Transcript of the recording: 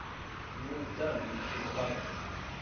North Dome is above it.